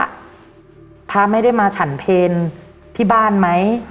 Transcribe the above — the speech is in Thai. พระไม่ได้มาฉันเพลที่บ้านไหม